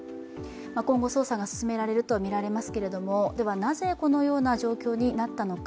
今後、捜査が進められるとみられますけれども、なぜこのような状況になったのか。